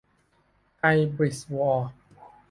ไฮบริดวอร์